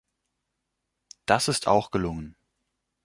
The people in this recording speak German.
Das ist auch gelungen.